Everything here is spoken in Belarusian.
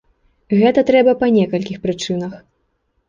Гэта трэба па некалькіх прычынах.